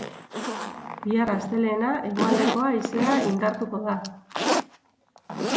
Bihar, astelehena, hegoaldeko haizea indartuko da.